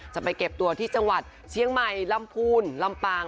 จะไปเก็บตัวที่จังหวัดเชียงใหม่ลำพูนลำปาง